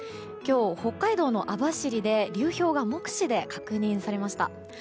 今日、北海道の網走で流氷が目視で確認されました。